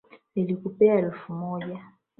Nilikupea elfu moja.